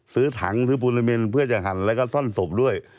ซื้อถังซื้อปูนามินเพื่อจะหั่นแล้วก็ซ่อนศพด้วย